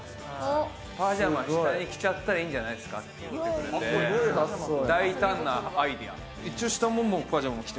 パジャマ下に着ちゃったらいいんじゃないですかって言ってくれて。